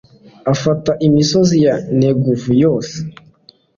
afata imisozi ya negevu yose